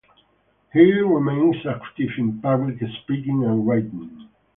He remains active in public speaking and writing.